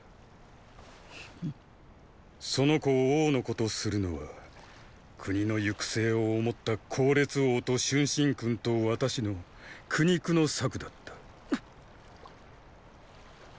その子を王の子とするのは国の行く末を思った考烈王と春申君と私の苦肉の策だった。！